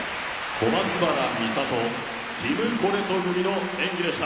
小松原美里ティム・コレト組の演技でした。